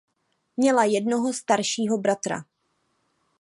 Měla jednoho staršího bratra.